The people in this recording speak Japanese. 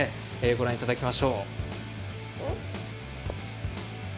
ご覧いただきましょう。